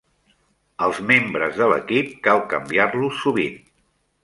Els membres de l'equip cal canviar-los sovint.